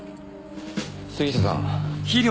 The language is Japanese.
杉下さん